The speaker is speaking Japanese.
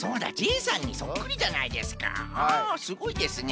あすごいですね。